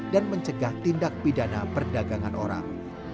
dan mencegah tindak pidana perdagangan orang